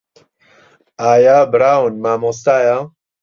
ئایا براون مامۆستایە؟